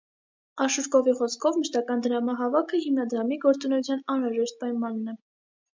Աշուրկովի խոսքով՝ «մշտական դրամահավաքը հիմնադրամի գործունեության անհրաժեշտ պայմանն է»։